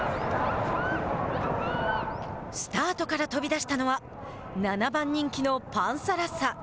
スタートから飛び出したのは７番人気のパンサラッサ。